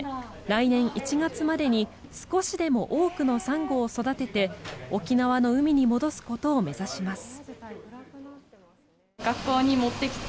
来年１月までに少しでも多くのサンゴを育てて沖縄の海に戻すことを目指します。